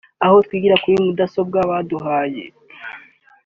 aho twigira kuri mudasobwa baduhaye